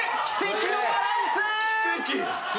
奇跡のバランス！